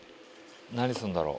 何すんだろう？